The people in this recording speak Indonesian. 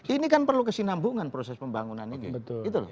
ini kan perlu kesinambungan proses pembangunan ini